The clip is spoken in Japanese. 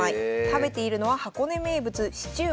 食べているのは箱根名物シチューパン。